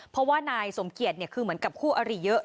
เพราะว่านายสมเกียจคือเหมือนกับคู่อริเยอะ